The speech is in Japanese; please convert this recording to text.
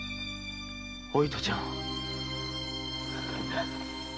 お糸ちゃん。